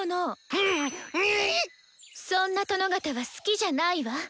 そんな殿方は好きじゃないわ。